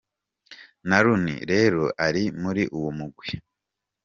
Na Rooney rero ari muri uwo mugwi.